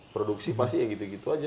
produksi pasti ya gitu gitu aja